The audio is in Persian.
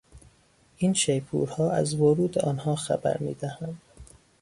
این شیپورها از ورود آنها خبر میدهند.